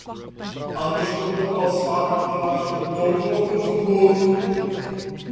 Anders lopen we als slaapwandelaars het noodlot tegemoet!